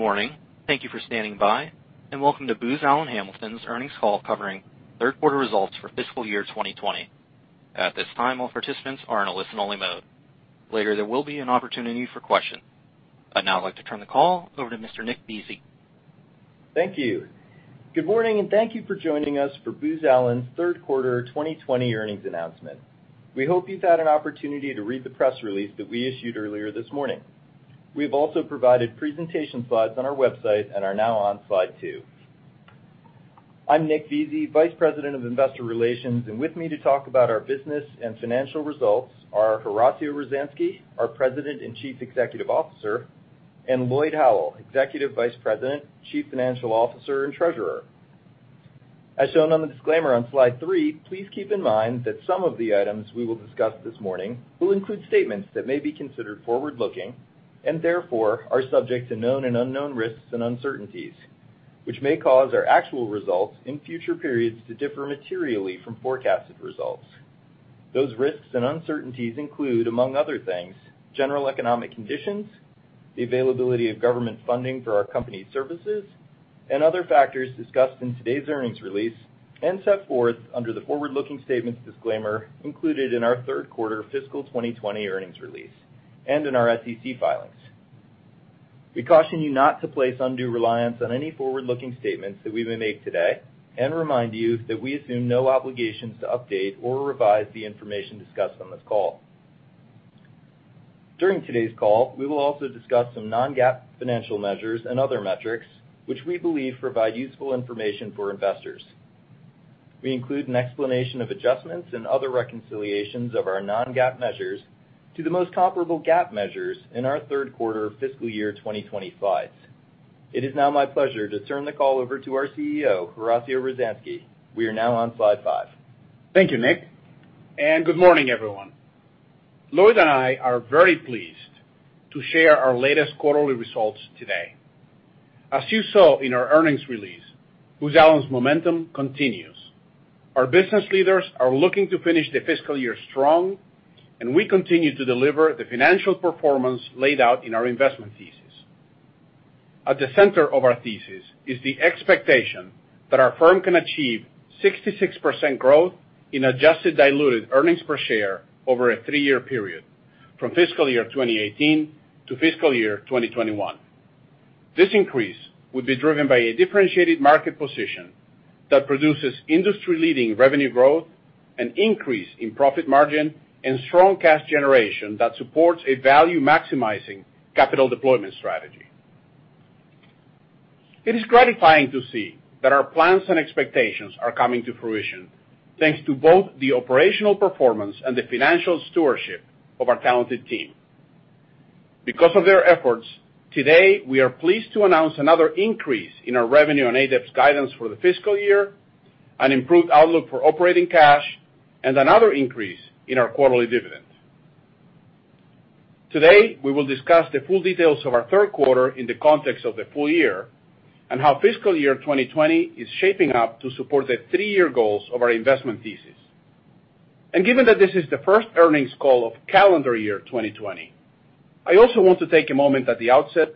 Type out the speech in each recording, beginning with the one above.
Good morning. Thank you for standing by, and welcome to Booz Allen Hamilton's earnings call covering Q3 results for fiscal year 2020. At this time, all participants are in a listen-only mode. Later, there will be an opportunity for questions. Now, I'd like to turn the call over to Mr. Nick Veasey. Thank you. Good morning, and thank you for joining us for Booz Allen's Q3 2020 earnings announcement. We hope you've had an opportunity to read the press release that we issued earlier this morning. We've also provided presentation slides on our website and are now on slide two. I'm Nick Veasey, Vice President of Investor Relations, and with me to talk about our business and financial results are Horacio Rozanski, our President and Chief Executive Officer, and Lloyd Howell, Executive Vice President, Chief Financial Officer, and Treasurer. As shown on the disclaimer on slide three, please keep in mind that some of the items we will discuss this morning will include statements that may be considered forward-looking and therefore are subject to known and unknown risks and uncertainties, which may cause our actual results in future periods to differ materially from forecasted results. Those risks and uncertainties include, among other things, general economic conditions, the availability of government funding for our company's services, and other factors discussed in today's earnings release and set forth under the forward-looking statements disclaimer included in our Q3 fiscal 2020 earnings release and in our SEC filings. We caution you not to place undue reliance on any forward-looking statements that we may make today and remind you that we assume no obligations to update or revise the information discussed on this call. During today's call, we will also discuss some non-GAAP financial measures and other metrics, which we believe provide useful information for investors. We include an explanation of adjustments and other reconciliations of our non-GAAP measures to the most comparable GAAP measures in our Q3 fiscal year 2020 slides. It is now my pleasure to turn the call over to our CEO, Horacio Rozanski. We are now on slide five. Thank you, Nick, and good morning, everyone. Lloyd and I are very pleased to share our latest quarterly results today. As you saw in our earnings release, Booz Allen's momentum continues. Our business leaders are looking to finish the fiscal year strong, and we continue to deliver the financial performance laid out in our investment thesis. At the center of our thesis is the expectation that our firm can achieve 66% growth in adjusted diluted earnings per share over a three-year period from fiscal year 2018 to fiscal year 2021. This increase would be driven by a differentiated market position that produces industry-leading revenue growth, an increase in profit margin, and strong cash generation that supports a value-maximizing capital deployment strategy. It is gratifying to see that our plans and expectations are coming to fruition thanks to both the operational performance and the financial stewardship of our talented team. Because of their efforts, today we are pleased to announce another increase in our revenue and ADEPS guidance for the fiscal year, an improved outlook for operating cash, and another increase in our quarterly dividend. Today, we will discuss the full details of our Q3 in the context of the full year and how fiscal year 2020 is shaping up to support the three-year goals of our investment thesis. And given that this is the first earnings call of calendar year 2020, I also want to take a moment at the outset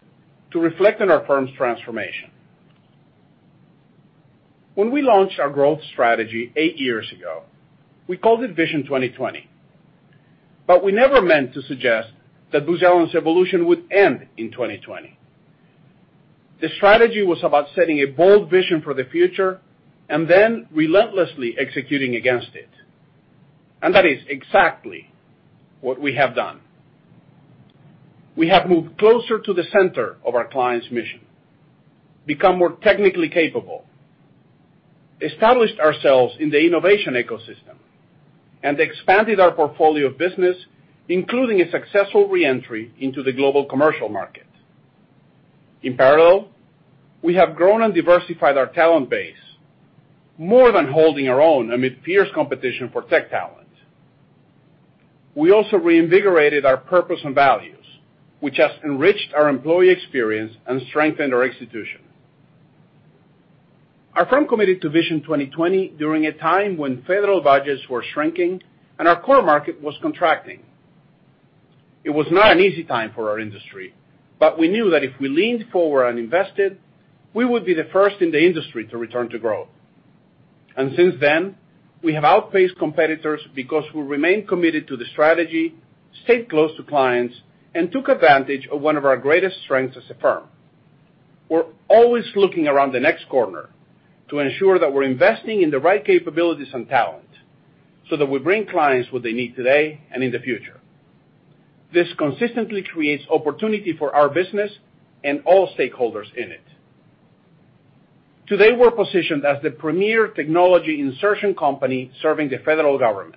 to reflect on our firm's transformation. When we launched our growth strategy eight years ago, we called it Vision 2020, but we never meant to suggest that Booz Allen's evolution would end in 2020. The strategy was about setting a bold vision for the future and then relentlessly executing against it. That is exactly what we have done. We have moved closer to the center of our client's mission, become more technically capable, established ourselves in the innovation ecosystem, and expanded our portfolio of business, including a successful re-entry into the global commercial market. In parallel, we have grown and diversified our talent base more than holding our own amid fierce competition for tech talent. We also reinvigorated our purpose and values, which has enriched our employee experience and strengthened our institution. Our firm committed to Vision 2020 during a time when federal budgets were shrinking and our core market was contracting. It was not an easy time for our industry, but we knew that if we leaned forward and invested, we would be the first in the industry to return to growth. Since then, we have outpaced competitors because we remained committed to the strategy, stayed close to clients, and took advantage of one of our greatest strengths as a firm. We're always looking around the next corner to ensure that we're investing in the right capabilities and talent so that we bring clients what they need today and in the future. This consistently creates opportunity for our business and all stakeholders in it. Today, we're positioned as the premier technology insertion company serving the federal government.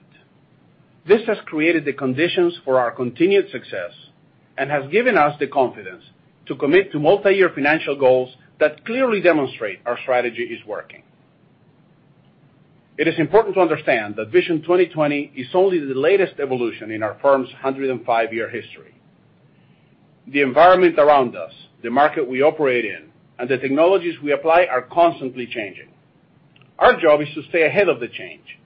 This has created the conditions for our continued success and has given us the confidence to commit to multi-year financial goals that clearly demonstrate our strategy is working. It is important to understand that Vision 2020 is only the latest evolution in our firm's 105-year history. The environment around us, the market we operate in, and the technologies we apply are constantly changing. Our job is to stay ahead of the change.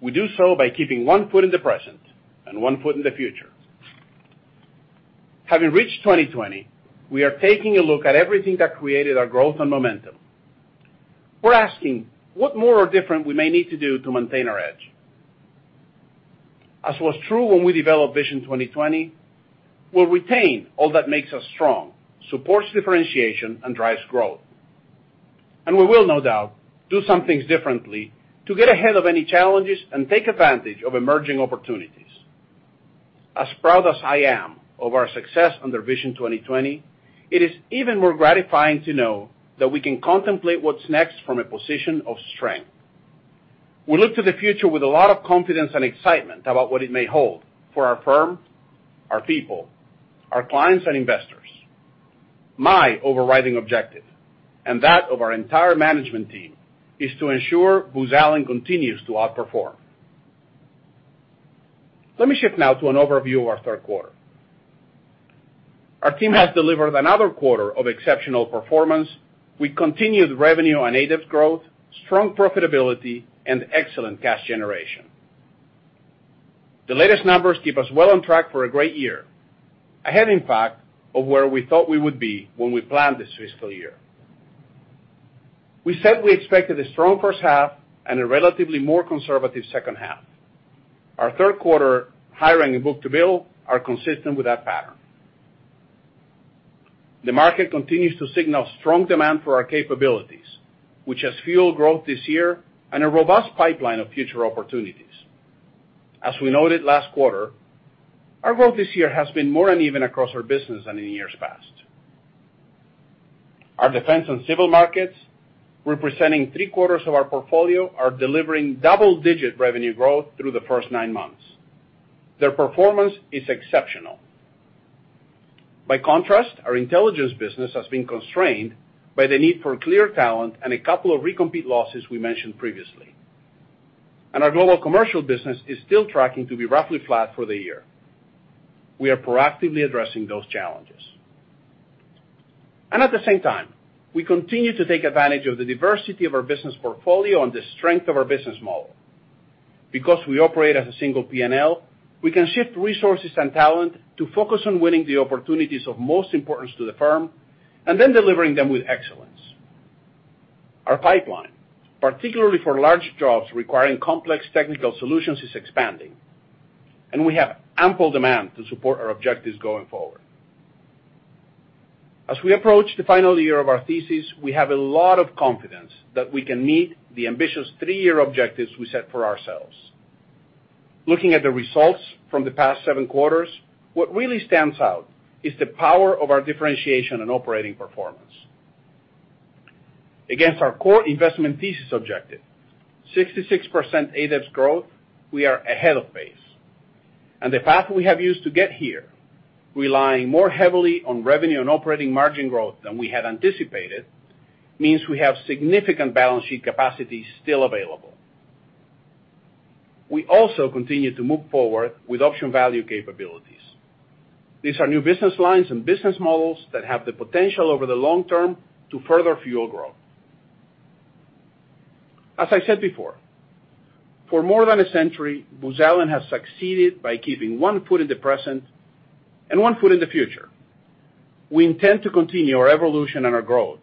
We do so by keeping one foot in the present and one foot in the future. Having reached 2020, we are taking a look at everything that created our growth and momentum. We're asking what more or different we may need to do to maintain our edge. As was true when we developed Vision 2020, we'll retain all that makes us strong, supports differentiation, and drives growth. And we will, no doubt, do some things differently to get ahead of any challenges and take advantage of emerging opportunities. As proud as I am of our success under Vision 2020, it is even more gratifying to know that we can contemplate what's next from a position of strength. We look to the future with a lot of confidence and excitement about what it may hold for our firm, our people, our clients, and investors. My overriding objective, and that of our entire management team, is to ensure Booz Allen continues to outperform. Let me shift now to an overview of our Q3. Our team has delivered another quarter of exceptional performance with continued revenue and ADEPS growth, strong profitability, and excellent cash generation. The latest numbers keep us well on track for a great year, ahead, in fact, of where we thought we would be when we planned this fiscal year. We said we expected a strong first half and a relatively more conservative second half. Our Q3 hiring and book-to-bill are consistent with that pattern. The market continues to signal strong demand for our capabilities, which has fueled growth this year and a robust pipeline of future opportunities. As we noted last quarter, our growth this year has been more uneven across our business than in years past. Our defense and civil markets, representing three-quarters of our portfolio, are delivering double-digit revenue growth through the first nine months. Their performance is exceptional. By contrast, our intelligence business has been constrained by the need for cleared talent and a couple of recompete losses we mentioned previously, and our global commercial business is still tracking to be roughly flat for the year. We are proactively addressing those challenges, and at the same time, we continue to take advantage of the diversity of our business portfolio and the strength of our business model. Because we operate as a single P&L, we can shift resources and talent to focus on winning the opportunities of most importance to the firm and then delivering them with excellence. Our pipeline, particularly for large jobs requiring complex technical solutions, is expanding, and we have ample demand to support our objectives going forward. As we approach the final year of our thesis, we have a lot of confidence that we can meet the ambitious three-year objectives we set for ourselves. Looking at the results from the past seven quarters, what really stands out is the power of our differentiation and operating performance. Against our core investment thesis objective, 66% ADEPS growth, we are ahead of pace. The path we have used to get here, relying more heavily on revenue and operating margin growth than we had anticipated, means we have significant balance sheet capacity still available. We also continue to move forward with option value capabilities. These are new business lines and business models that have the potential over the long term to further fuel growth. As I said before, for more than a century, Booz Allen has succeeded by keeping one foot in the present and one foot in the future. We intend to continue our evolution and our growth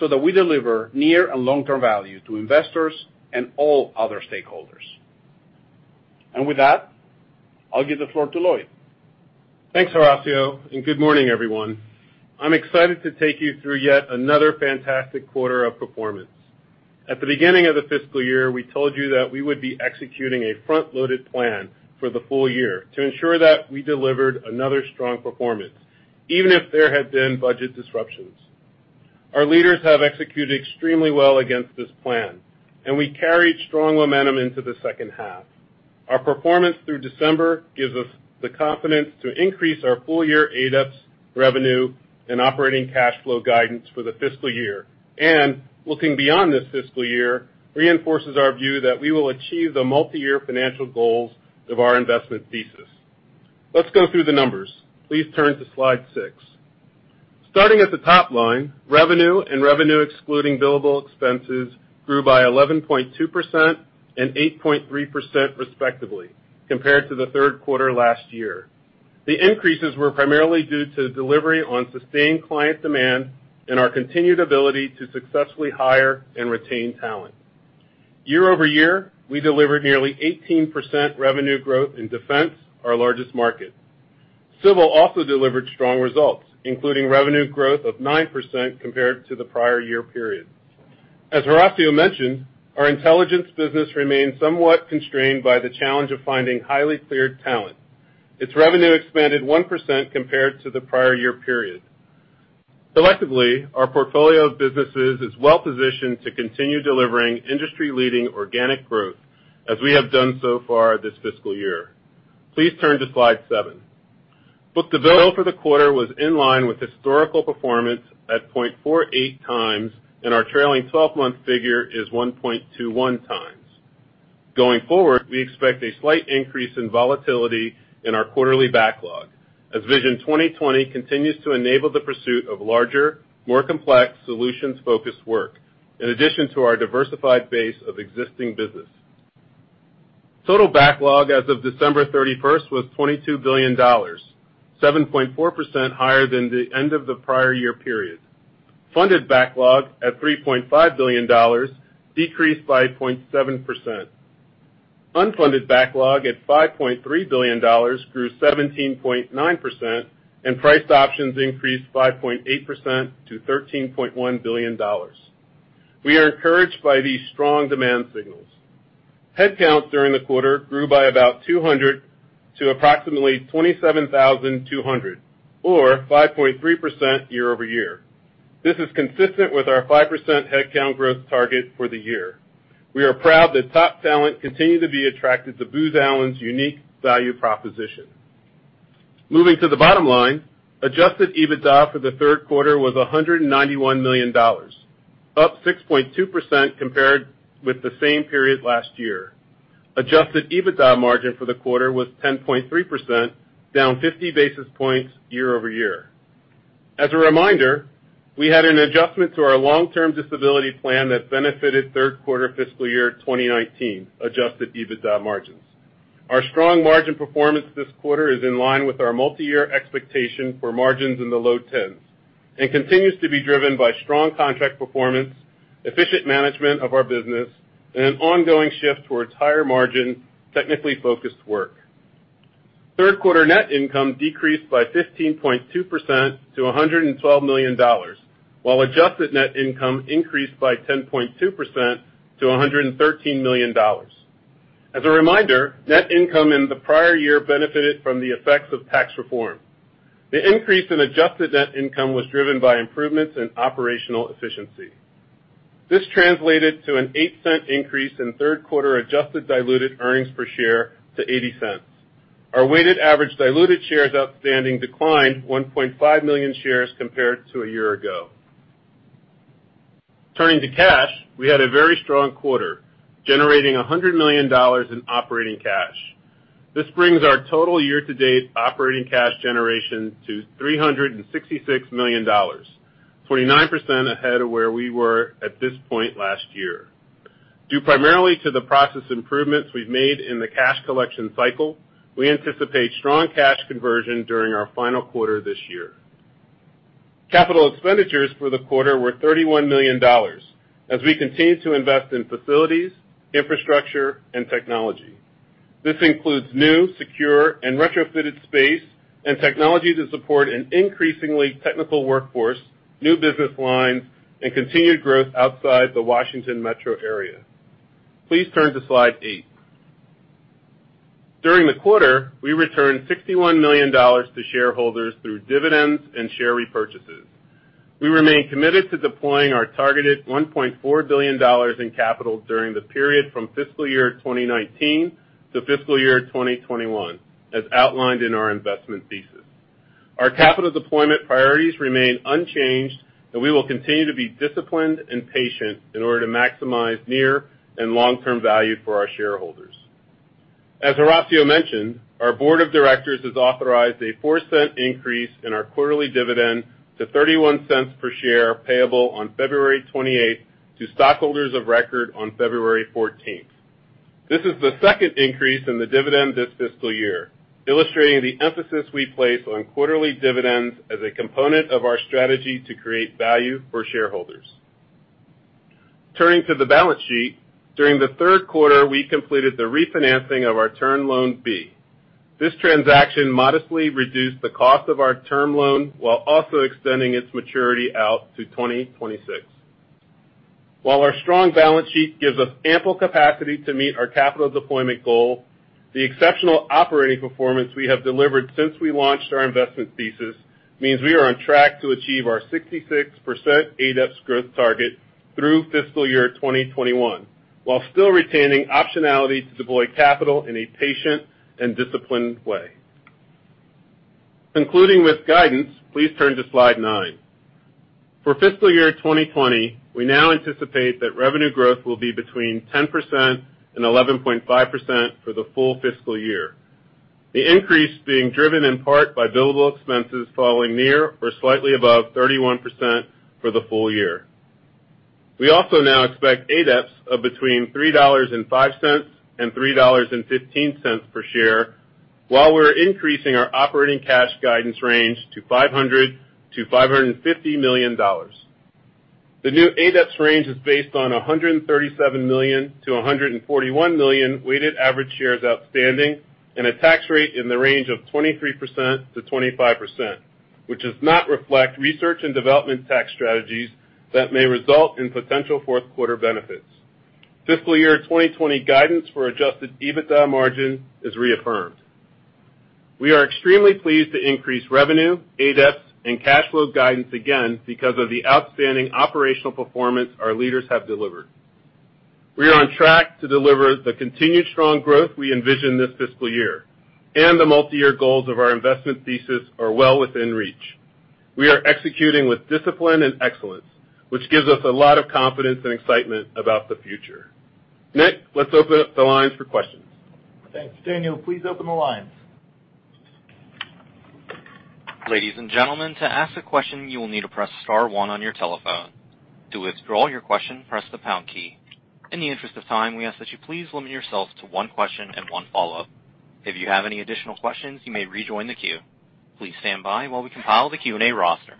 so that we deliver near and long-term value to investors and all other stakeholders, and with that, I'll give the floor to Lloyd. Thanks, Horacio, and good morning, everyone. I'm excited to take you through yet another fantastic quarter of performance. At the beginning of the fiscal year, we told you that we would be executing a front-loaded plan for the full year to ensure that we delivered another strong performance, even if there had been budget disruptions. Our leaders have executed extremely well against this plan, and we carried strong momentum into the second half. Our performance through December gives us the confidence to increase our full-year ADEPS, revenue and operating cash flow guidance for the fiscal year. And looking beyond this fiscal year reinforces our view that we will achieve the multi-year financial goals of our investment thesis. Let's go through the numbers. Please turn to slide six. Starting at the top line, revenue and revenue excluding billable expenses grew by 11.2% and 8.3%, respectively, compared to the Q3 last year. The increases were primarily due to delivery on sustained client demand and our continued ability to successfully hire and retain talent. Year-over-year, we delivered nearly 18% revenue growth in defense, our largest market. Civil also delivered strong results, including revenue growth of 9% compared to the prior year period. As Horacio mentioned, our intelligence business remained somewhat constrained by the challenge of finding highly cleared talent. Its revenue expanded 1% compared to the prior year period. Collectively, our portfolio of businesses is well positioned to continue delivering industry-leading organic growth, as we have done so far this fiscal year. Please turn to slide seven. Book-to-bill for the quarter was in line with historical performance at 0.48 times, and our trailing 12-month figure is 1.21 times. Going forward, we expect a slight increase in volatility in our quarterly backlog as Vision 2020 continues to enable the pursuit of larger, more complex solutions-focused work, in addition to our diversified base of existing business. Total backlog as of 31 December was $22 billion, 7.4% higher than the end of the prior year period. Funded backlog at $3.5 billion decreased by 0.7%. Unfunded backlog at $5.3 billion grew 17.9%, and priced options increased 5.8% to $13.1 billion. We are encouraged by these strong demand signals. Headcount during the quarter grew by about 200 to approximately 27,200, or 5.3% year-over-year. This is consistent with our 5% headcount growth target for the year. We are proud that top talent continue to be attracted to Booz Allen's unique value proposition. Moving to the bottom line, Adjusted EBITDA for the Q3 was $191 million, up 6.2% compared with the same period last year. Adjusted EBITDA margin for the quarter was 10.3%, down 50 basis points year-over-year. As a reminder, we had an adjustment to our long-term disability plan that benefited Q3 fiscal year 2019, Adjusted EBITDA margins. Our strong margin performance this quarter is in line with our multi-year expectation for margins in the low tens and continues to be driven by strong contract performance, efficient management of our business, and an ongoing shift towards higher margin technically focused work. Q3 net income decreased by 15.2% to $112 million, while adjusted net income increased by 10.2% to $113 million. As a reminder, net income in the prior year benefited from the effects of tax reform. The increase in adjusted net income was driven by improvements in operational efficiency. This translated to a $0.08 increase in Q3 adjusted diluted earnings per share to $0.80. Our weighted average diluted shares outstanding declined 1.5 million shares compared to a year ago. Turning to cash, we had a very strong quarter, generating $100 million in operating cash. This brings our total year-to-date operating cash generation to $366 million, 29% ahead of where we were at this point last year. Due primarily to the process improvements we've made in the cash collection cycle, we anticipate strong cash conversion during our final quarter this year. Capital expenditures for the quarter were $31 million, as we continue to invest in facilities, infrastructure, and technology. This includes new, secure, and retrofitted space and technology to support an increasingly technical workforce, new business lines, and continued growth outside the Washington metro area. Please turn to slide eight. During the quarter, we returned $61 million to shareholders through dividends and share repurchases. We remain committed to deploying our targeted $1.4 billion in capital during the period from fiscal year 2019 to fiscal year 2021, as outlined in our investment thesis. Our capital deployment priorities remain unchanged, and we will continue to be disciplined and patient in order to maximize near and long-term value for our shareholders. As Horacio mentioned, our board of directors has authorized a $0.04 increase in our quarterly dividend to $0.31 per share payable on February 28th to stockholders of record on 14 February. This is the second increase in the dividend this fiscal year, illustrating the emphasis we place on quarterly dividends as a component of our strategy to create value for shareholders. Turning to the balance sheet, during the Q3, we completed the refinancing of our Term Loan B. This transaction modestly reduced the cost of our Term Loan while also extending its maturity out to 2026. While our strong balance sheet gives us ample capacity to meet our capital deployment goal, the exceptional operating performance we have delivered since we launched our investment thesis means we are on track to achieve our 66% ADEPS growth target through fiscal year 2021, while still retaining optionality to deploy capital in a patient and disciplined way. Concluding with guidance, please turn to slide nine. For Fiscal Year 2020, we now anticipate that revenue growth will be between 10% and 11.5% for the full fiscal year, the increase being driven in part by billable expenses falling near or slightly above 31% for the full year. We also now expect ADEPS of between $3.05 and $3.15 per share, while we're increasing our operating cash guidance range to $500 million to $550 million. The new ADEPS range is based on $137 million to $141 million weighted average shares outstanding and a tax rate in the range of 23% to 25%, which does not reflect research and development tax strategies that may result in potential Q4 benefits. Fiscal Year 2020 guidance for Adjusted EBITDA margin is reaffirmed. We are extremely pleased to increase revenue, ADEPS, and cash flow guidance again because of the outstanding operational performance our leaders have delivered. We are on track to deliver the continued strong growth we envision this fiscal year, and the multi-year goals of our investment thesis are well within reach. We are executing with discipline and excellence, which gives us a lot of confidence and excitement about the future. Nick, let's open up the lines for questions. Thanks. Daniel, please open the lines. Ladies and gentlemen, to ask a question, you will need to press star one on your telephone. To withdraw your question, press the pound key. In the interest of time, we ask that you please limit yourself to one question and one follow-up. If you have any additional questions, you may rejoin the queue. Please stand by while we compile the Q&A roster.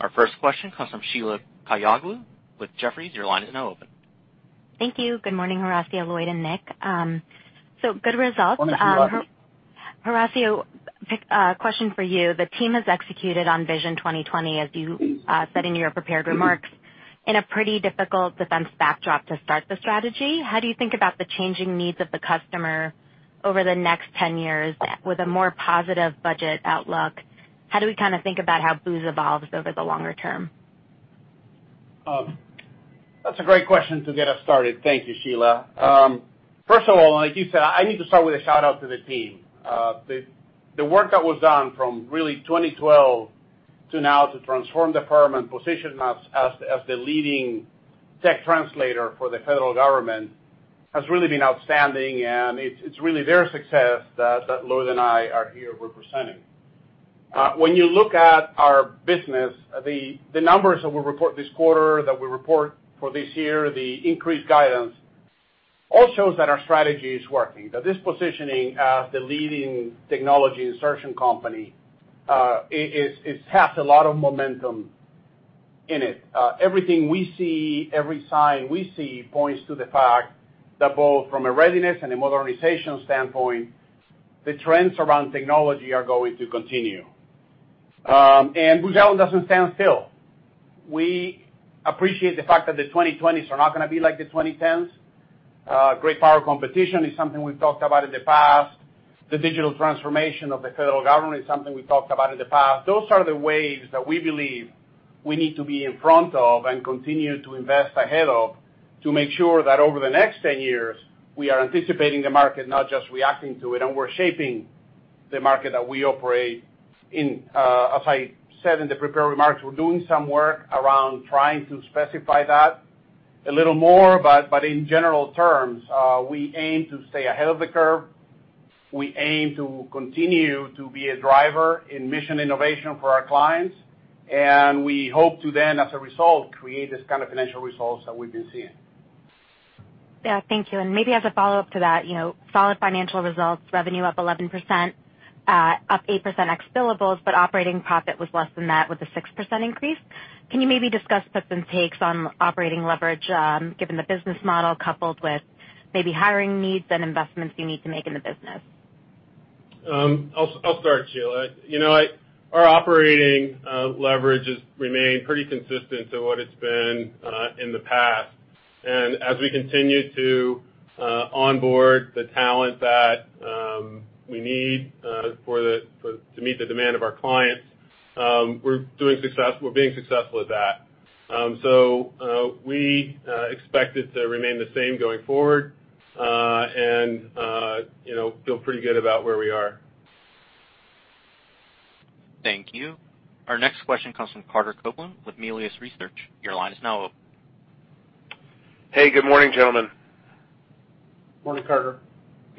Our first question comes from Sheila Kahyaoglu. Jefferies, your line is now open. Thank you. Good morning, Horacio, Lloyd, and Nick. So good results. Good morning, Lloyd. Horacio, question for you. The team has executed on Vision 2020, as you said in your prepared remarks, in a pretty difficult defense backdrop to start the strategy. How do you think about the changing needs of the customer over the next 10 years with a more positive budget outlook? How do we kind of think about how Booz evolves over the longer term? That's a great question to get us started. Thank you, Sheila. First of all, like you said, I need to start with a shout-out to the team. The work that was done from really 2012 to now to transform the firm and position us as the leading tech translator for the federal government has really been outstanding, and it's really their success that Lloyd and I are here representing. When you look at our business, the numbers that we report this quarter, that we report for this year, the increased guidance, all shows that our strategy is working, that this positioning as the leading technology insertion company has a lot of momentum in it. Everything we see, every sign we see points to the fact that both from a readiness and a modernization standpoint, the trends around technology are going to continue, and Booz Allen doesn't stand still. We appreciate the fact that the 2020s are not going to be like the 2010s. Great Power Competition is something we've talked about in the past. The digital transformation of the federal government is something we've talked about in the past. Those are the waves that we believe we need to be in front of and continue to invest ahead of to make sure that over the next 10 years, we are anticipating the market, not just reacting to it, and we're shaping the market that we operate in. As I said in the prepared remarks, we're doing some work around trying to specify that a little more, but in general terms, we aim to stay ahead of the curve. We aim to continue to be a driver in mission innovation for our clients, and we hope to then, as a result, create this kind of financial results that we've been seeing. Yeah, thank you. And maybe as a follow-up to that, solid financial results, revenue up 11%, up 8% ex billables, but operating profit was less than that with a 6% increase. Can you maybe discuss tips and takes on operating leverage given the business model coupled with maybe hiring needs and investments you need to make in the business? I'll start, Sheila. Our operating leverage has remained pretty consistent to what it's been in the past. And as we continue to onboard the talent that we need to meet the demand of our clients, we're being successful at that. So we expect it to remain the same going forward and feel pretty good about where we are. Thank you. Our next question comes from Carter Copeland with Melius Research. Your line is now open. Hey, good morning, gentlemen. Morning, Carter.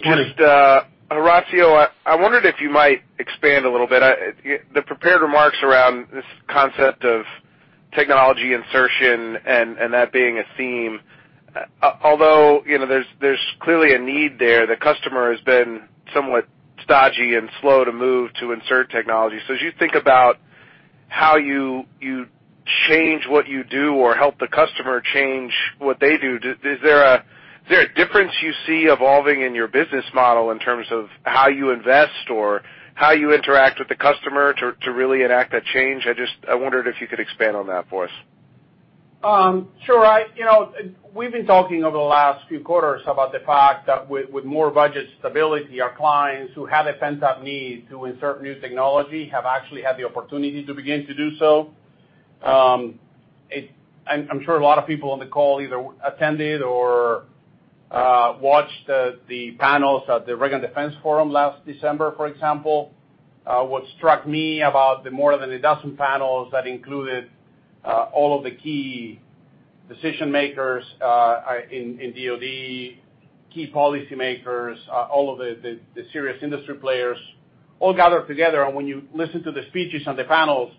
Morning. Horacio, I wondered if you might expand a little bit. The prepared remarks around this concept of technology insertion and that being a theme, although there's clearly a need there, the customer has been somewhat stodgy and slow to move to insert technology. So as you think about how you change what you do or help the customer change what they do, is there a difference you see evolving in your business model in terms of how you invest or how you interact with the customer to really enact that change? I wondered if you could expand on that for us. Sure. We've been talking over the last few quarters about the fact that with more budget stability, our clients who had a pent-up need to insert new technology have actually had the opportunity to begin to do so. I'm sure a lot of people on the call either attended or watched the panels at the Reagan Defense Forum last December, for example. What struck me about the more than a dozen panels that included all of the key decision-makers in DOD, key policymakers, all of the serious industry players all gathered together, and when you listen to the speeches and the panels,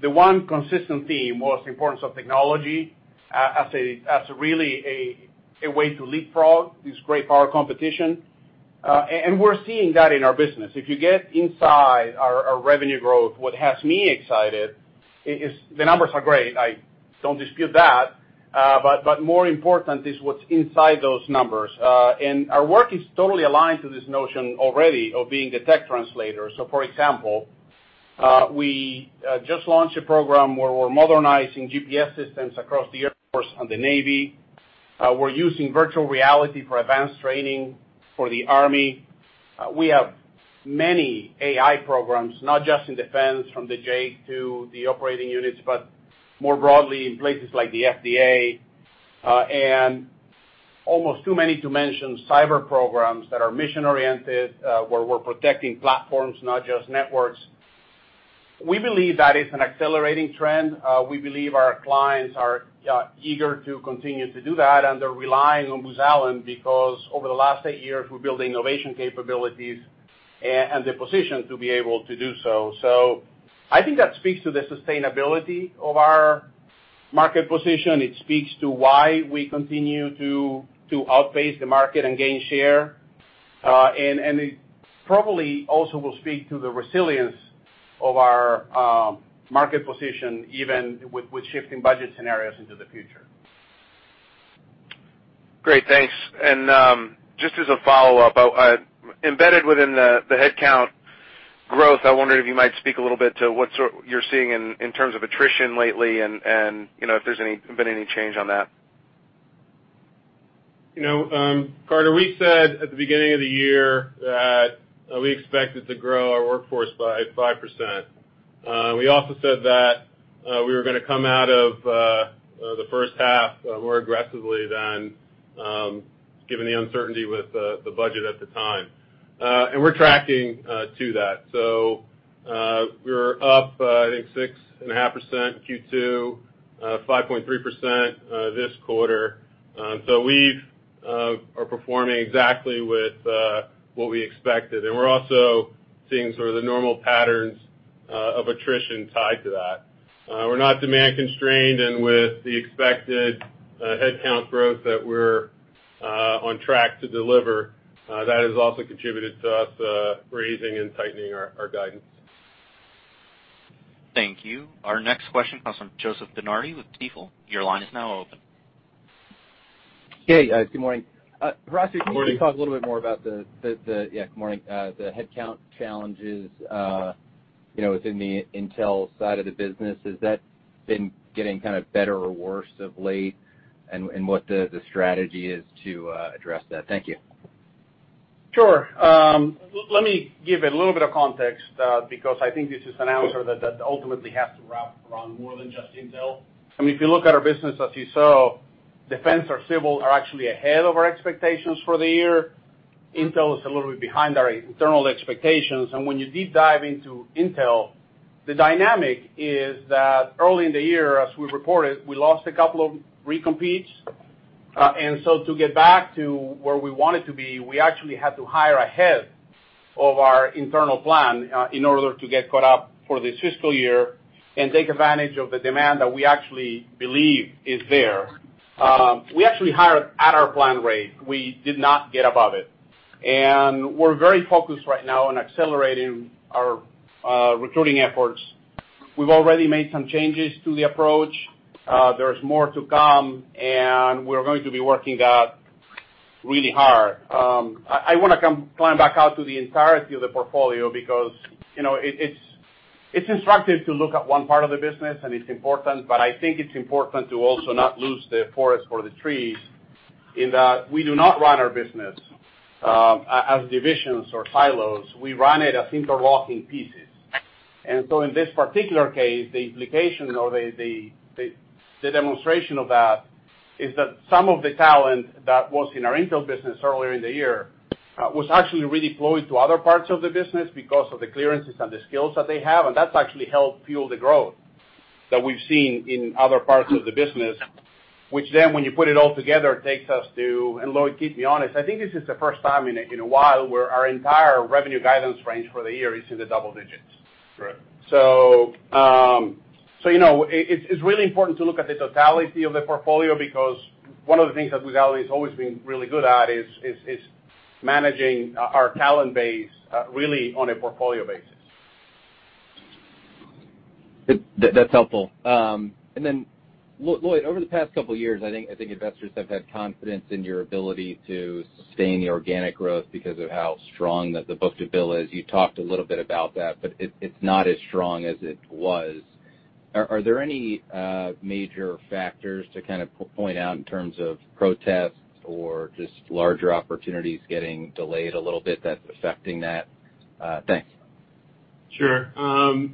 the one consistent theme was the importance of technology as really a way to leapfrog this great power competition, and we're seeing that in our business. If you get inside our revenue growth, what has me excited is the numbers are great. I don't dispute that. But more important is what's inside those numbers. And our work is totally aligned to this notion already of being a tech translator. So, for example, we just launched a program where we're modernizing GPS systems across the Air Force and the Navy. We're using virtual reality for advanced training for the Army. We have many AI programs, not just in defense from the J2 the operating units, but more broadly in places like the FDA. And almost too many to mention cyber programs that are mission-oriented where we're protecting platforms, not just networks. We believe that is an accelerating trend. We believe our clients are eager to continue to do that, and they're relying on Booz Allen because over the last eight years, we've built innovation capabilities and the position to be able to do so. So I think that speaks to the sustainability of our market position. It speaks to why we continue to outpace the market and gain share. And it probably also will speak to the resilience of our market position, even with shifting budget scenarios into the future. Great. Thanks. And just as a follow-up, embedded within the headcount growth, I wondered if you might speak a little bit to what you're seeing in terms of attrition lately and if there's been any change on that? Carter, we said at the beginning of the year that we expected to grow our workforce by 5%. We also said that we were going to come out of the first half more aggressively than given the uncertainty with the budget at the time, and we're tracking to that. We're up, I think, 6.5% in Q2, 5.3% this quarter, so we are performing exactly with what we expected, and we're also seeing sort of the normal patterns of attrition tied to that. We're not demand-constrained, and with the expected headcount growth that we're on track to deliver, that has also contributed to us raising and tightening our guidance. Thank you. Our next question comes from Joseph DeNardi with Stifel. Your line is now open. Hey, good morning. Horacio, can you talk a little bit more about the headcount challenges within the intel side of the business? Has that been getting kind of better or worse of late, and what the strategy is to address that? Thank you. Sure. Let me give a little bit of context because I think this is an answer that ultimately has to wrap around more than just Intel. I mean, if you look at our business, as you saw, defense or civil are actually ahead of our expectations for the year. Intel is a little bit behind our internal expectations. And when you deep dive into Intel, the dynamic is that early in the year, as we reported, we lost a couple of recompetes. And so to get back to where we wanted to be, we actually had to hire ahead of our internal plan in order to get caught up for this fiscal year and take advantage of the demand that we actually believe is there. We actually hired at our planned rate. We did not get above it. And we're very focused right now on accelerating our recruiting efforts. We've already made some changes to the approach. There's more to come, and we're going to be working that really hard. I want to climb back out to the entirety of the portfolio because it's instructive to look at one part of the business, and it's important, but I think it's important to also not lose the forest for the trees in that we do not run our business as divisions or silos. We run it as interlocking pieces. And so in this particular case, the implication or the demonstration of that is that some of the talent that was in our Intel business earlier in the year was actually redeployed to other parts of the business because of the clearances and the skills that they have. And that's actually helped fuel the growth that we've seen in other parts of the business, which then, when you put it all together, takes us to—and Lloyd, keep me honest. I think this is the first time in a while where our entire revenue guidance range for the year is in the double digits. So it's really important to look at the totality of the portfolio because one of the things that Booz Allen has always been really good at is managing our talent base really on a portfolio basis. That's helpful. And then, Lloyd, over the past couple of years, I think investors have had confidence in your ability to sustain the organic growth because of how strong that the book-to-bill is. You talked a little bit about that, but it's not as strong as it was. Are there any major factors to kind of point out in terms of protests or just larger opportunities getting delayed a little bit that's affecting that? Thanks. Sure. So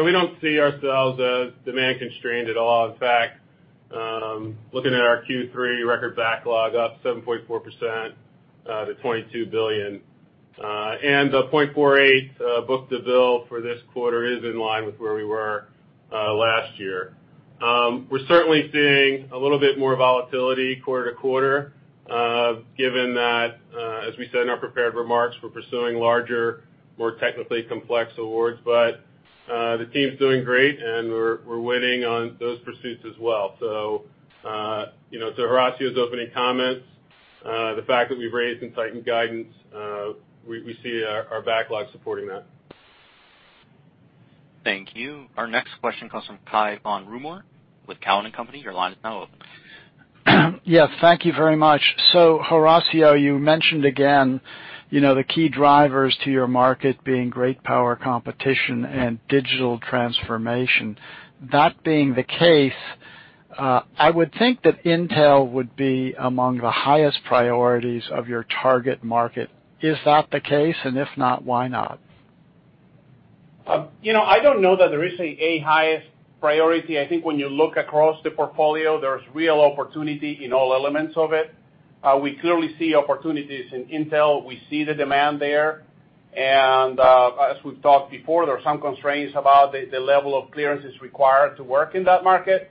we don't see ourselves as demand-constrained at all. In fact, looking at our Q3 record backlog, up 7.4% to $22 billion, and the 0.48 book-to-bill for this quarter is in line with where we were last year. We're certainly seeing a little bit more volatility quarter-to-quarter, given that, as we said in our prepared remarks, we're pursuing larger, more technically complex awards, but the team's doing great, and we're winning on those pursuits as well, so to Horacio's opening comments, the fact that we've raised and tightened guidance, we see our backlog supporting that. Thank you. Our next question comes from Cai von Rumohr with Cowen & Company. Your line is now open. Yes, thank you very much. So Horacio, you mentioned again the key drivers to your market being great power competition and digital transformation. That being the case, I would think that Intel would be among the highest priorities of your target market. Is that the case? And if not, why not? I don't know that there is a highest priority. I think when you look across the portfolio, there's real opportunity in all elements of it. We clearly see opportunities in Intel. We see the demand there. And as we've talked before, there are some constraints about the level of clearances required to work in that market,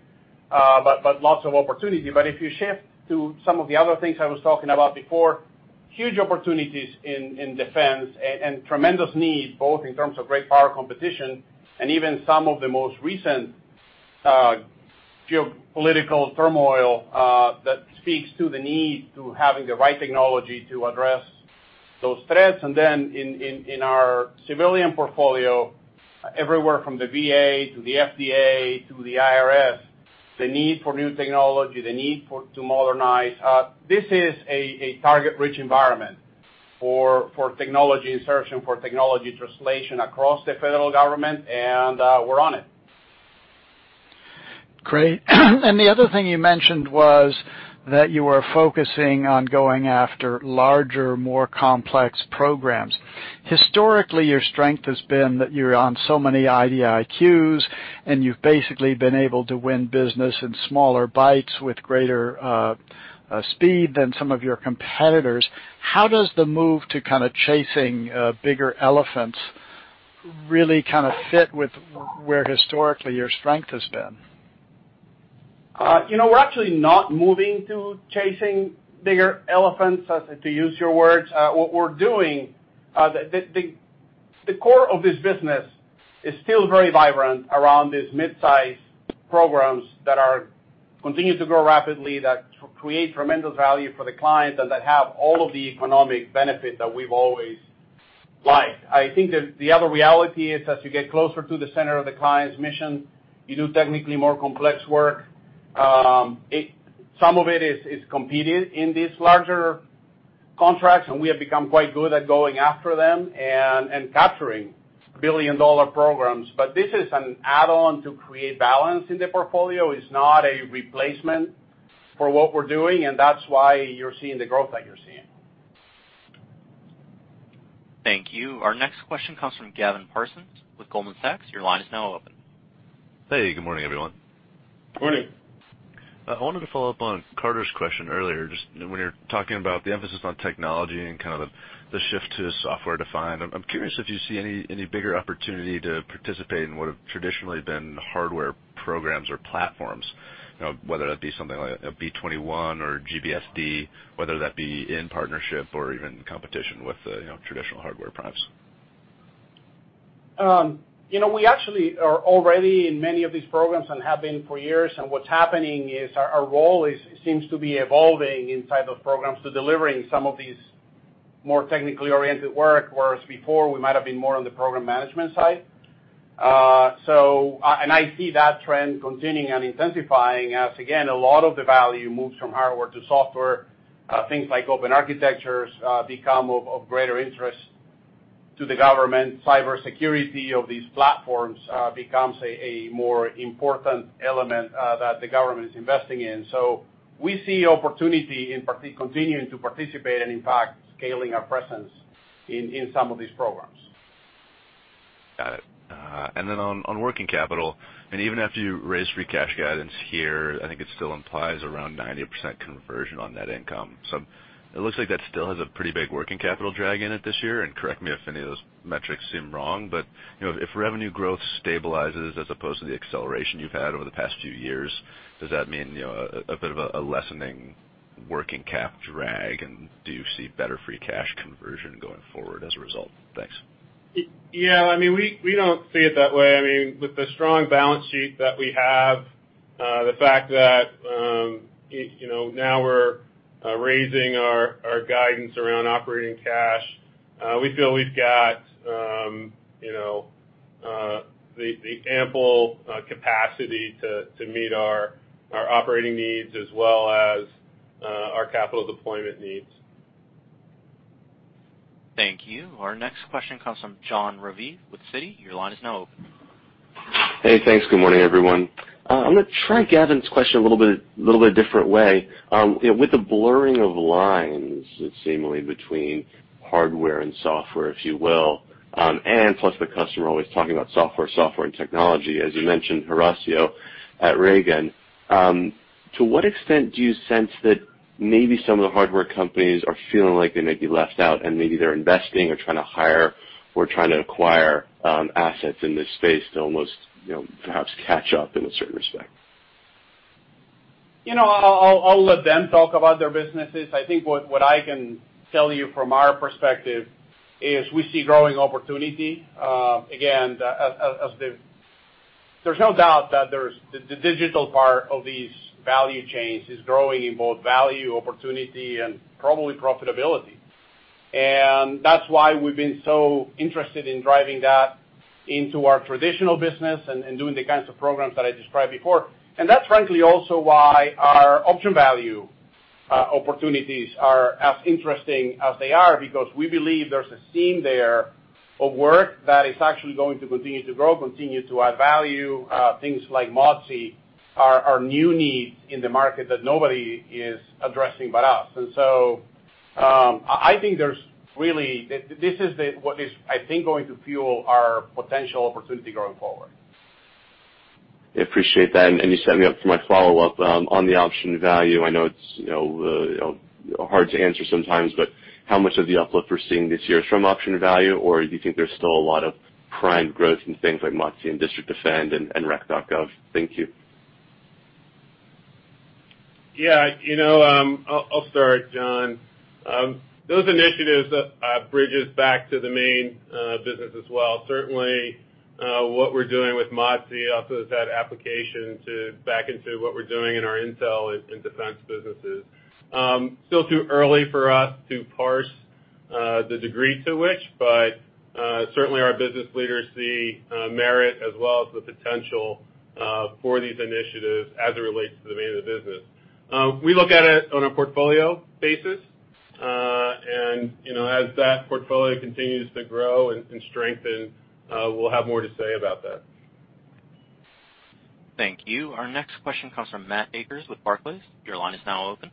but lots of opportunity. But if you shift to some of the other things I was talking about before, huge opportunities in defense and tremendous need, both in terms of Great Power Competition and even some of the most recent geopolitical turmoil that speaks to the need to having the right technology to address those threats. And then, in our civilian portfolio, everywhere from the VA to the FDA to the IRS, the need for new technology, the need to modernize. This is a target-rich environment for technology insertion, for technology translation across the federal government, and we're on it. Great. And the other thing you mentioned was that you were focusing on going after larger, more complex programs. Historically, your strength has been that you're on so many IDIQs, and you've basically been able to win business in smaller bites with greater speed than some of your competitors. How does the move to kind of chasing bigger elephants really kind of fit with where historically your strength has been? We're actually not moving to chasing bigger elephants, to use your words. What we're doing, the core of this business is still very vibrant around these mid-size programs that continue to grow rapidly, that create tremendous value for the client, and that have all of the economic benefit that we've always liked. I think the other reality is, as you get closer to the center of the client's mission, you do technically more complex work. Some of it is competed in these larger contracts, and we have become quite good at going after them and capturing billion-dollar programs. But this is an add-on to create balance in the portfolio. It's not a replacement for what we're doing, and that's why you're seeing the growth that you're seeing. Thank you. Our next question comes from Gavin Parsons with Goldman Sachs. Your line is now open. Hey, good morning, everyone. Good morning. I wanted to follow up on Carter's question earlier. Just when you're talking about the emphasis on technology and kind of the shift to software-defined, I'm curious if you see any bigger opportunity to participate in what have traditionally been hardware programs or platforms, whether that be something like a B-21 or GBSD, whether that be in partnership or even competition with traditional hardware primes? We actually are already in many of these programs and have been for years. And what's happening is our role seems to be evolving inside those programs to delivering some of these more technically oriented work, whereas before we might have been more on the program management side. And I see that trend continuing and intensifying as, again, a lot of the value moves from hardware to software. Things like open architectures become of greater interest to the government. Cybersecurity of these platforms becomes a more important element that the government is investing in. So we see opportunity in continuing to participate and, in fact, scaling our presence in some of these programs. Got it. And then on working capital, I mean, even after you raised free cash guidance here, I think it still implies around 90% conversion on net income. So it looks like that still has a pretty big working capital drag in it this year. And correct me if any of those metrics seem wrong, but if revenue growth stabilizes as opposed to the acceleration you've had over the past few years, does that mean a bit of a lessening working cap drag? And do you see better free cash conversion going forward as a result? Thanks. Yeah. I mean, we don't see it that way. I mean, with the strong balance sheet that we have, the fact that now we're raising our guidance around operating cash, we feel we've got the ample capacity to meet our operating needs as well as our capital deployment needs. Thank you. Our next question comes from Jon Raviv with Citi. Your line is now open. Hey, thanks. Good morning, everyone. I'm going to try Gavin's question a little bit different way. With the blurring of lines, it seemingly between hardware and software, if you will, and plus the customer always talking about software, software, and technology, as you mentioned, Horacio at Reagan, to what extent do you sense that maybe some of the hardware companies are feeling like they may be left out and maybe they're investing or trying to hire or trying to acquire assets in this space to almost perhaps catch up in a certain respect? I'll let them talk about their businesses. I think what I can tell you from our perspective is we see growing opportunity. Again, there's no doubt that the digital part of these value chains is growing in both value, opportunity, and probably profitability. And that's why we've been so interested in driving that into our traditional business and doing the kinds of programs that I described before. And that's, frankly, also why our option value opportunities are as interesting as they are because we believe there's a seam there of work that is actually going to continue to grow, continue to add value. Things like Modzy are new needs in the market that nobody is addressing but us. And so I think there's really this is what is, I think, going to fuel our potential opportunity going forward. I appreciate that. And you set me up for my follow-up on the option value. I know it's hard to answer sometimes, but how much of the uplift we're seeing this year is from option value, or do you think there's still a lot of prime growth in things like Modzy and District Defend and Rec.gov? Thank you. Yeah. I'll start, John. Those initiatives bridges back to the main business as well. Certainly, what we're doing with Modzy also has had application back into what we're doing in our intel and defense businesses. Still too early for us to parse the degree to which, but certainly our business leaders see merit as well as the potential for these initiatives as it relates to the main business. We look at it on a portfolio basis. And as that portfolio continues to grow and strengthen, we'll have more to say about that. Thank you. Our next question comes from Matt Akers with Barclays. Your line is now open.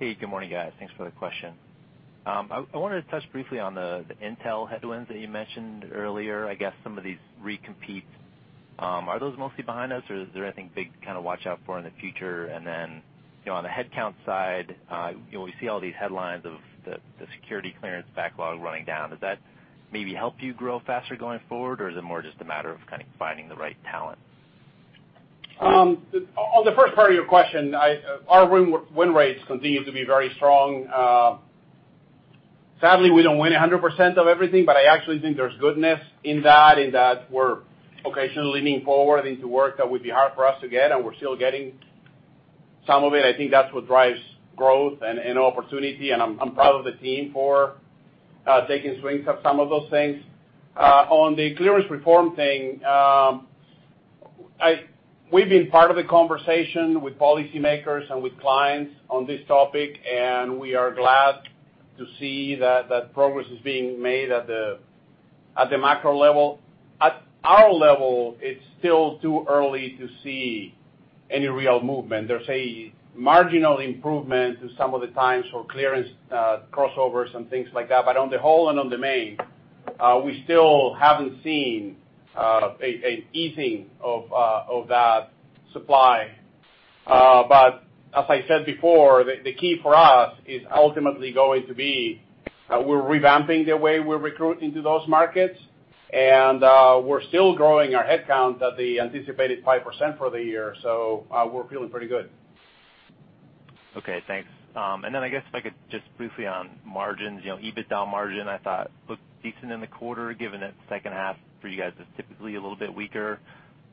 Hey, good morning, guys. Thanks for the question. I wanted to touch briefly on the intel headwinds that you mentioned earlier. I guess some of these recompetes. Are those mostly behind us, or is there anything big to kind of watch out for in the future? And then on the headcount side, we see all these headlines of the security clearance backlog running down. Does that maybe help you grow faster going forward, or is it more just a matter of kind of finding the right talent? On the first part of your question, our win rates continue to be very strong. Sadly, we don't win 100% of everything, but I actually think there's goodness in that, in that we're occasionally leaning forward into work that would be hard for us to get, and we're still getting some of it. I think that's what drives growth and opportunity. And I'm proud of the team for taking swings at some of those things. On the clearance reform thing, we've been part of the conversation with policymakers and with clients on this topic, and we are glad to see that progress is being made at the macro level. At our level, it's still too early to see any real movement. There's a marginal improvement to some of the times for clearance crossovers and things like that. But on the whole and on the main, we still haven't seen an easing of that supply. But as I said before, the key for us is ultimately going to be we're revamping the way we're recruiting to those markets, and we're still growing our headcount at the anticipated 5% for the year. So we're feeling pretty good. Okay. Thanks. And then I guess if I could just briefly on margins, EBITDA margin, I thought looked decent in the quarter, given that second half for you guys is typically a little bit weaker.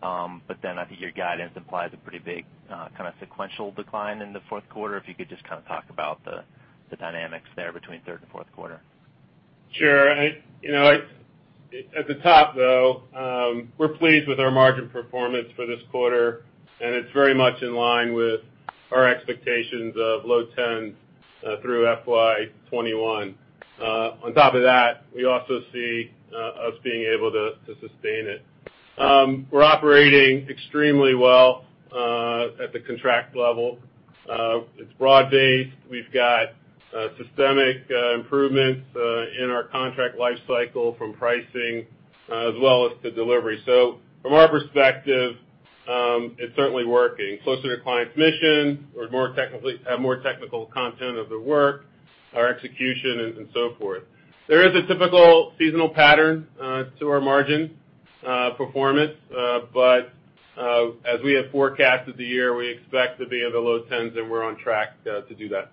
But then I think your guidance implies a pretty big kind of sequential decline in the Q4. If you could just kind of talk about the dynamics there between Q3 and Q4. Sure. At the top, though, we're pleased with our margin performance for this quarter, and it's very much in line with our expectations of low 10s through FY21. On top of that, we also see us being able to sustain it. We're operating extremely well at the contract level. It's broad-based. We've got systemic improvements in our contract lifecycle from pricing as well as to delivery. So from our perspective, it's certainly working closer to client's mission or have more technical content of the work, our execution, and so forth. There is a typical seasonal pattern to our margin performance, but as we have forecasted the year, we expect to be in the low 10s, and we're on track to do that.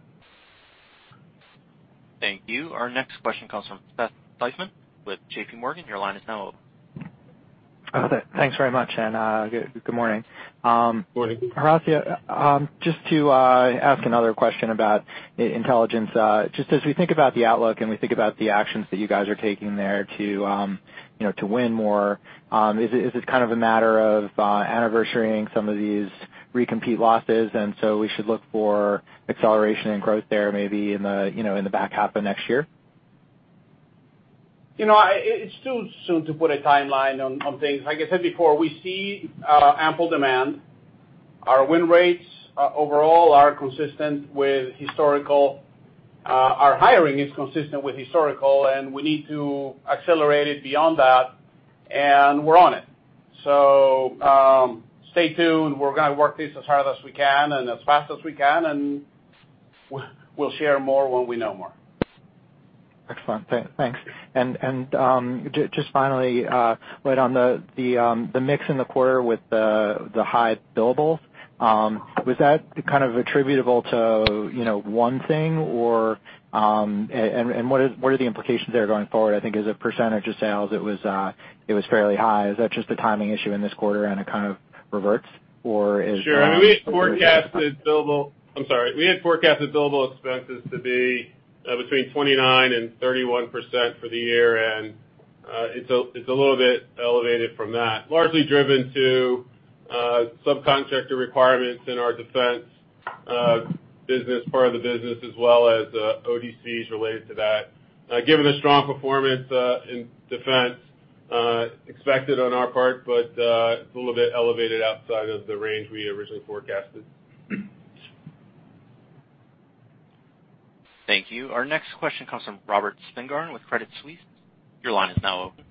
Thank you. Our next question comes from Seth Seifman with J.P. Morgan. Your line is now open. Thanks very much, and good morning. Good morning. Horacio, just to ask another question about intelligence. Just as we think about the outlook and we think about the actions that you guys are taking there to win more, is it kind of a matter of anniversaring some of these recompete losses? And so we should look for acceleration and growth there maybe in the back half of next year? It's too soon to put a timeline on things. Like I said before, we see ample demand. Our win rates overall are consistent with historical. Our hiring is consistent with historical, and we need to accelerate it beyond that, and we're on it. So stay tuned. We're going to work this as hard as we can and as fast as we can, and we'll share more when we know more. Excellent. Thanks. And just finally, right on the mix in the quarter with the high billables, was that kind of attributable to one thing? And what are the implications there going forward? I think as a percentage of sales, it was fairly high. Is that just a timing issue in this quarter and it kind of reverts, or is there? Sure. We had forecasted billable—I'm sorry. We had forecasted billable expenses to be between 29% and 31% for the year, and it's a little bit elevated from that, largely driven to subcontractor requirements in our defense business, part of the business, as well as ODCs related to that. Given the strong performance in defense, expected on our part, but it's a little bit elevated outside of the range we originally forecasted. Thank you. Our next question comes from Robert Spingarn with Credit Suisse. Your line is now open.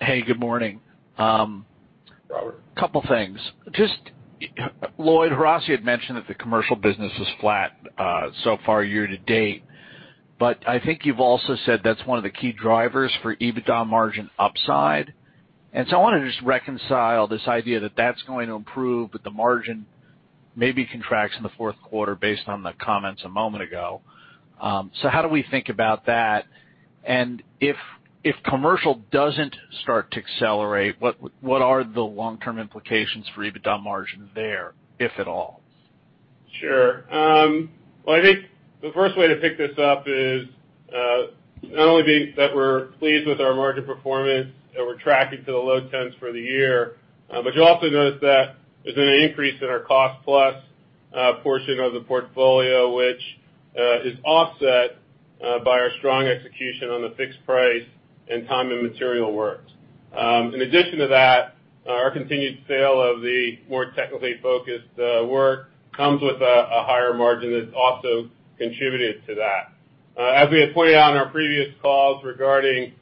Hey, good morning. Robert. Couple of things. Just Lloyd, Horacio had mentioned that the commercial business was flat so far year to date, but I think you've also said that's one of the key drivers for EBITDA margin upside. And so I want to just reconcile this idea that that's going to improve, but the margin maybe contracts in the Q4 based on the comments a moment ago. So how do we think about that? And if commercial doesn't start to accelerate, what are the long-term implications for EBITDA margin there, if at all? Sure. Well, I think the first way to pick this up is not only that we're pleased with our margin performance, that we're tracking to the low 10s for the year, but you'll also notice that there's an increase in our cost-plus portion of the portfolio, which is offset by our strong execution on the fixed price and time and material work. In addition to that, our continued sale of the more technically focused work comes with a higher margin that's also contributed to that. As we had pointed out in our previous calls regarding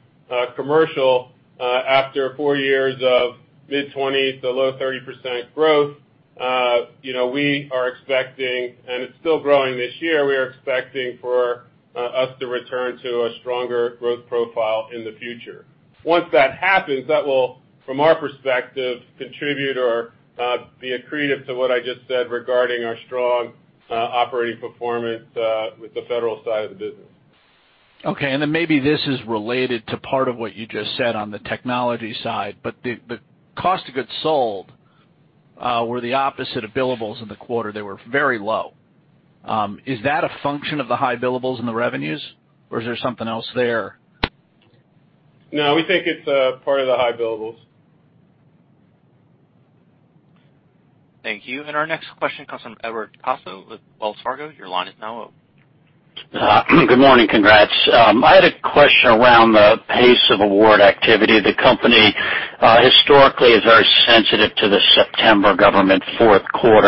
commercial, after four years of mid-20s to low 30% growth, we are expecting, and it's still growing this year, we are expecting for us to return to a stronger growth profile in the future. Once that happens, that will, from our perspective, contribute or be accretive to what I just said regarding our strong operating performance with the federal side of the business. Okay, and then maybe this is related to part of what you just said on the technology side, but the cost of goods sold were the opposite of billables in the quarter. They were very low. Is that a function of the high billables and the revenues, or is there something else there? No, we think it's part of the high billables. Thank you. And our next question comes from Edward Caso with Wells Fargo. Your line is now open. Good morning. Congrats. I had a question around the pace of award activity. The company historically is very sensitive to the September government Q4.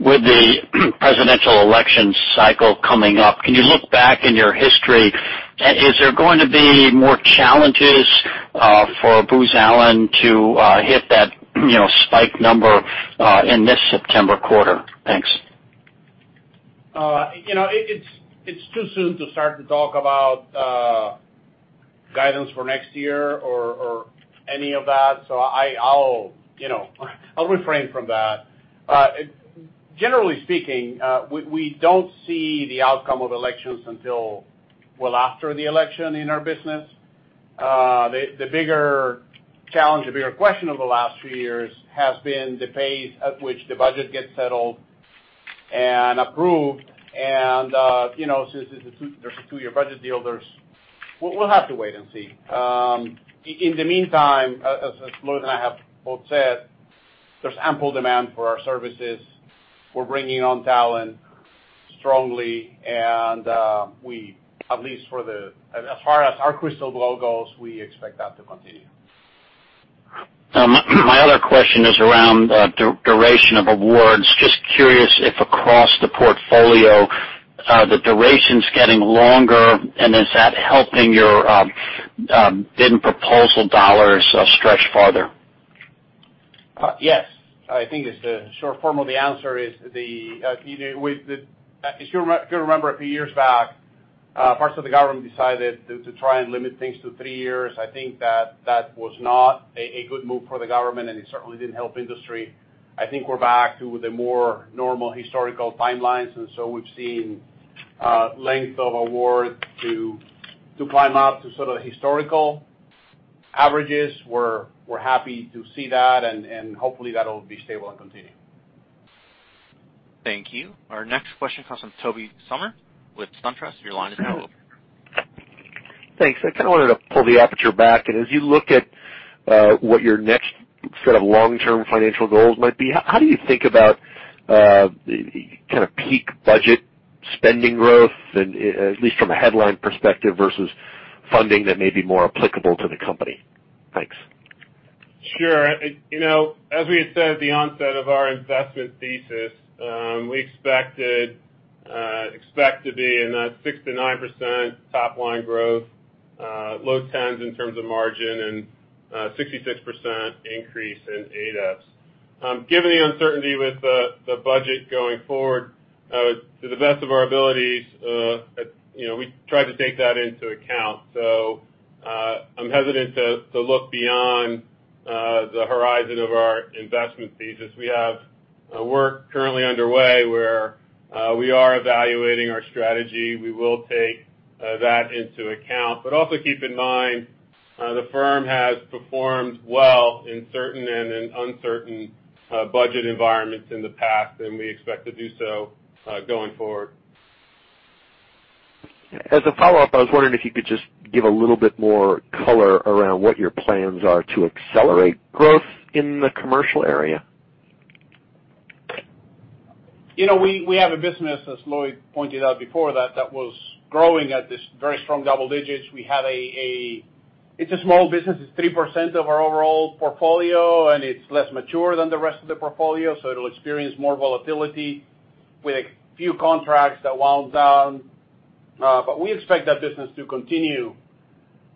With the presidential election cycle coming up, can you look back in your history? Is there going to be more challenges for Booz Allen to hit that spike number in this September quarter? Thanks. It's too soon to start to talk about guidance for next year or any of that, so I'll refrain from that. Generally speaking, we don't see the outcome of elections until well after the election in our business. The bigger challenge, the bigger question of the last few years has been the pace at which the budget gets settled and approved, and since there's a two-year budget deal, we'll have to wait and see. In the meantime, as Lloyd and I have both said, there's ample demand for our services. We're bringing on talent strongly, and we, at least for the—as far as our crystal ball goes, we expect that to continue. My other question is around duration of awards. Just curious if across the portfolio, the duration's getting longer, and is that helping your bid and proposal dollars stretch further? Yes. I think the short form of the answer is, if you remember a few years back, parts of the government decided to try and limit things to three years. I think that that was not a good move for the government, and it certainly didn't help industry. I think we're back to the more normal historical timelines, and so we've seen length of award to climb up to sort of historical averages. We're happy to see that, and hopefully that'll be stable and continue. Thank you. Our next question comes from Tobey Sommer with SunTrust. Your line is now open. Thanks. I kind of wanted to pull the aperture back. And as you look at what your next set of long-term financial goals might be, how do you think about kind of peak budget spending growth, at least from a headline perspective versus funding that may be more applicable to the company? Thanks. Sure. As we had said at the onset of our investment thesis, we expect to be in that 6% to 9% top-line growth, low 10s in terms of margin, and 66% increase in ADEPS. Given the uncertainty with the budget going forward, to the best of our abilities, we tried to take that into account. So I'm hesitant to look beyond the horizon of our investment thesis. We have work currently underway where we are evaluating our strategy. We will take that into account. But also keep in mind, the firm has performed well in certain and in uncertain budget environments in the past, and we expect to do so going forward. As a follow-up, I was wondering if you could just give a little bit more color around what your plans are to accelerate growth in the commercial area? We have a business, as Lloyd pointed out before, that was growing at this very strong double digits. It's a small business. It's 3% of our overall portfolio, and it's less mature than the rest of the portfolio, so it'll experience more volatility with a few contracts that wound down. But we expect that business to continue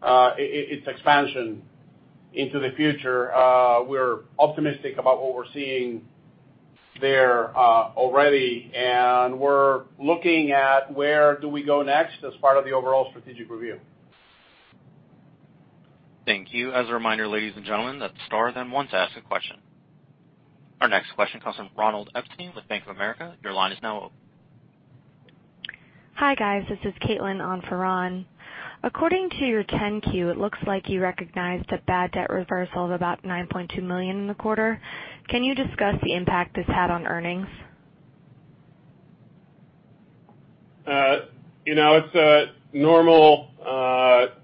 its expansion into the future. We're optimistic about what we're seeing there already, and we're looking at where do we go next as part of the overall strategic review. Thank you. As a reminder, ladies and gentlemen, that's star, then one to ask a question. Our next question comes from Ronald Epstein with Bank of America. Your line is now open. Hi guys, this is Caitlin for Ron. According to your 10-Q, it looks like you recognized a bad debt reversal of about $9.2 million in the quarter. Can you discuss the impact this had on earnings? It's a normal part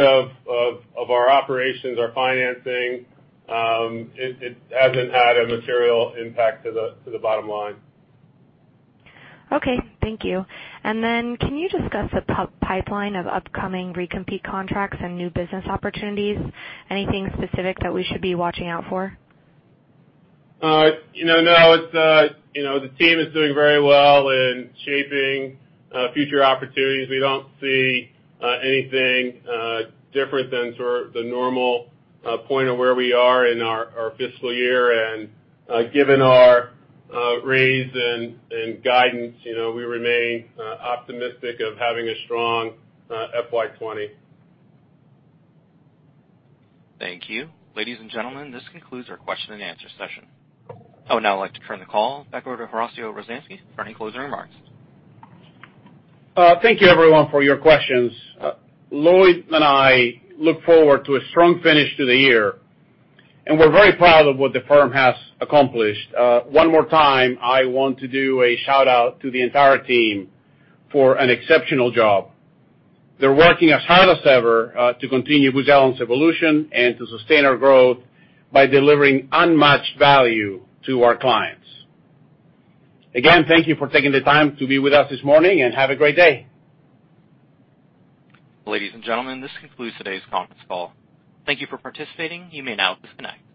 of our operations, our financing. It hasn't had a material impact to the bottom line. Okay. Thank you, and then can you discuss the pipeline of upcoming re-compete contracts and new business opportunities? Anything specific that we should be watching out for? No. The team is doing very well in shaping future opportunities. We don't see anything different than sort of the normal point of where we are in our fiscal year, and given our raise and guidance, we remain optimistic of having a strong FY20. Thank you. Ladies and gentlemen, this concludes our question and answer session. I would now like to turn the call back over to Horacio Rozanski for any closing remarks. Thank you, everyone, for your questions. Lloyd and I look forward to a strong finish to the year, and we're very proud of what the firm has accomplished. One more time, I want to do a shout-out to the entire team for an exceptional job. They're working as hard as ever to continue Booz Allen's evolution and to sustain our growth by delivering unmatched value to our clients. Again, thank you for taking the time to be with us this morning, and have a great day. Ladies and gentlemen, this concludes today's conference call. Thank you for participating. You may now disconnect.